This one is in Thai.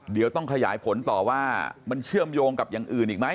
เดี๋ยวต้องขยายผลต่อว่ามันเชื่อมโยงกับอย่างอื่นอีกไหม